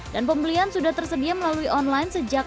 dan pembelian sudah tersedia melalui online sejak awal maret